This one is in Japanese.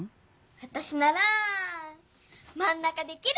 わたしならまん中できる！